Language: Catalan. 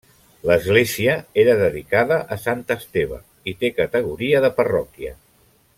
L'església era dedicada a Sant Esteve, i té categoria de parròquia.